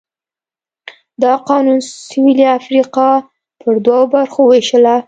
دا قانون سوېلي افریقا پر دوو برخو ووېشله.